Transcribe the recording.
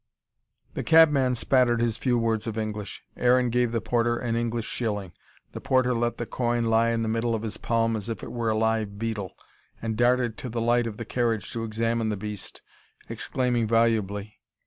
The cabman spattered his few words of English. Aaron gave the porter an English shilling. The porter let the coin lie in the middle of his palm, as if it were a live beetle, and darted to the light of the carriage to examine the beast, exclaiming volubly.